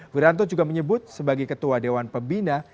wiranto juga menyebut sebagai ketua dewan pembina